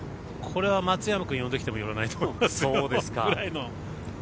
これは松山君呼んできても寄らないと思いますよ。